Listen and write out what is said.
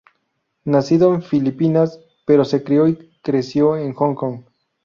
Nacido en Filipinas, pero se crio y creció en Hong Kong.